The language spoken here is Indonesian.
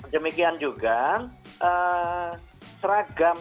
demikian juga seragam